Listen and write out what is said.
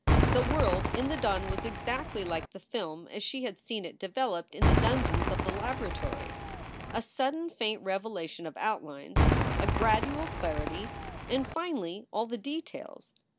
The world in the dawn was exactly like the film as she had seen it developed in the dungeons of the laboratory, a sudden faint revelation of outlines, a gradual clarity, and finally all the details.